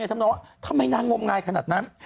ทำไมนางงมนายขนาดนั้น